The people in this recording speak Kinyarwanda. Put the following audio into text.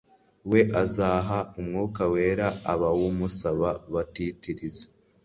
we azaha umwuka wera abawumusaba batitiriza